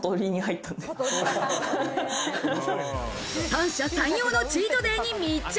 三者三様のチートデイに密着！